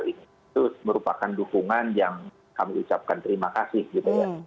itu merupakan dukungan yang kami ucapkan terima kasih gitu ya